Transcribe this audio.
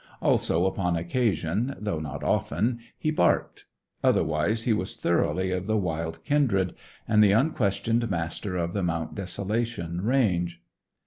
Also, upon occasion, though not often, he barked. Otherwise, he was thoroughly of the wild kindred, and the unquestioned master of the Mount Desolation range.